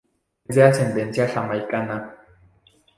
Es de ascendencia jamaicana.